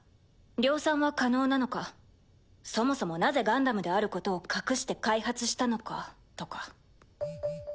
量産は可能なのかそもそもなぜガンダムであることを隠して開発したのかとか。